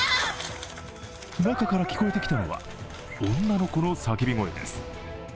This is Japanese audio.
中から聞こえてきたのは女の子の叫び声です。